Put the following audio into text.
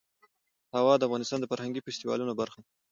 هوا د افغانستان د فرهنګي فستیوالونو برخه ده.